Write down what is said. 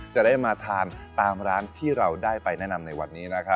จะได้มาทานตามร้านที่เราได้ไปแนะนำในวันนี้นะครับ